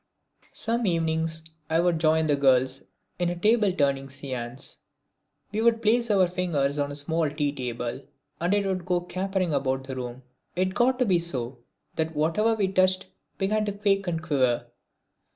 Some evenings I would join the girls in a table turning seance. We would place our fingers on a small tea table and it would go capering about the room. It got to be so that whatever we touched began to quake and quiver.